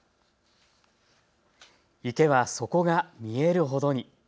池は底が見えるほどに。